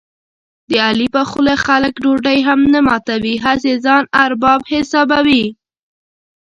د علي په خوله خلک ډوډۍ هم نه ماتوي، هسې ځان ارباب حسابوي.